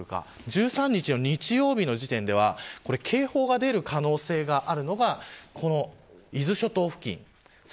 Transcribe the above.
１３日の日曜日の時点では警報が出る可能性があるのが伊豆諸島付近です。